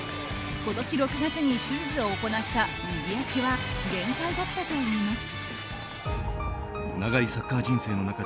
今年６月に手術を行った右足は限界だったといいます。